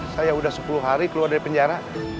saya sudah sepuluh hari keluar dari penjara